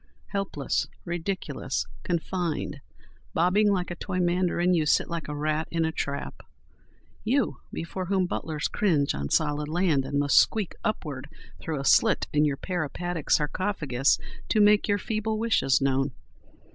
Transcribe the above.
Helpless, ridiculous, confined, bobbing like a toy mandarin, you sit like a rat in a trap—you, before whom butlers cringe on solid land—and must squeak upward through a slit in your peripatetic sarcophagus to make your feeble wishes known.